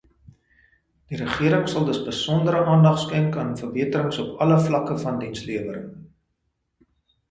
Die regering sal dus besondere aandag skenk aan verbeterings op alle vlakke van dienslewering.